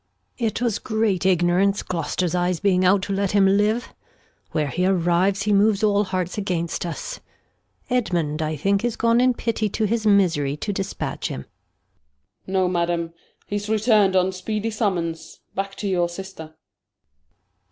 Gon. It was great Ignorance, Gloster' s Eyes being out, To let him live, where he arrives he moves Act iv] King Lear 229 All Hearts against us ; Edmund I think is gone. In Pity to his Misery, to dispatch him. Gent. No, Madam, he's return'd on speedy Summons Back to your Sister.